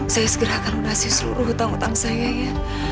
saya segera akan lunasi seluruh hutang hutang saya ya